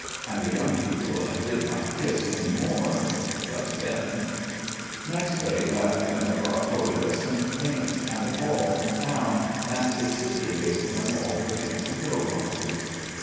And the young people did not kiss any more just then. Next day Lapkin brought Kolia some paints and a ball from town, and his sister gave him all her empty pill boxes.